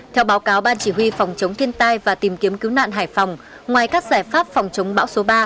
theo báo cáo ban chỉ huy phòng chống thiên tai và tìm kiếm cứu nạn hải phòng ngoài các giải pháp phòng chống bão số ba